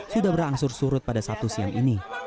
sudah berangsur surut pada sabtu siang ini